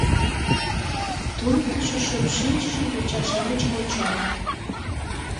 — Туныктышо шып шинчыше йоча-шамычым ончале.